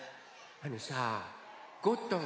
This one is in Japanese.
あのさゴットン